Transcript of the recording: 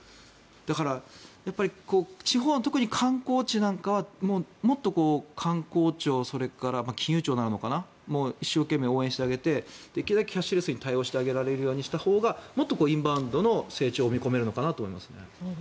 だから、特に観光地なんかはもっと観光庁それから金融庁になるのかな一生懸命応援してあげてできるだけキャッシュレスに対応できるようにしたほうがもっとインバウンドの成長を見込めるのかなと思います。